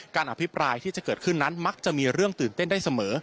อภิปรายที่จะเกิดขึ้นนั้นมักจะมีเรื่องตื่นเต้นได้เสมอ